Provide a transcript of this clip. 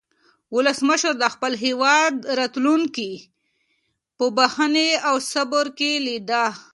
ولسمشر د خپل هېواد راتلونکی په بښنې او صبر کې لیده.